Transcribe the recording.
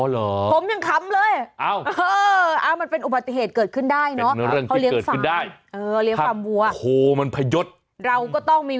แล้วพันธุ์ด้วยแบงค์๕๐๐ไม่ก็แบงค์พันธุ์ยื่นไปเลยรับรองคุยกันง่าย